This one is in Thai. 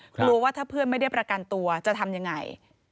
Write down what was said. กลัวว่าถ้าเพื่อนไม่ได้ประกันตัวจะทำยังไง